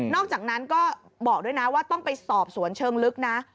อกจากนั้นก็บอกด้วยนะว่าต้องไปสอบสวนเชิงลึกนะ